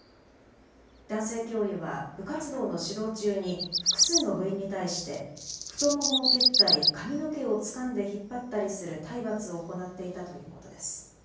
男性教諭は部活動の指導中に複数の部員に対して太ももを蹴ったり髪の毛をつかんで引っ張ったりする体罰を行っていたということです。